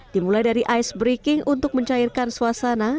dimulai dari icebreaking untuk mencairkan suasana